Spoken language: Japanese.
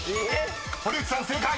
［堀内さん正解！］